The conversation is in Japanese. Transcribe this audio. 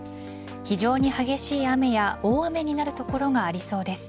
非常に激しい雨や大雨になる所がありそうです。